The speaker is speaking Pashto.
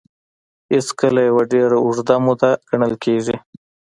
هېڅکله يوه ډېره اوږده موده ګڼل کېږي.